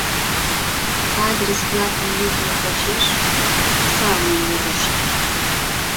Адрес-влакым лудмо почеш псалмым мурышт.